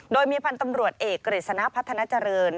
โดยมีพันธ์ตำรวจเอกกฤษณะพัฒนาเจริญ